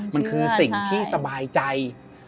มันคือสิ่งที่สบายใจ